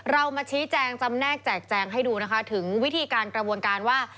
เรามาชี้แจงจำแนกแจกแจงให้ดูนะคะถึงวิธีการกระบวนการว่า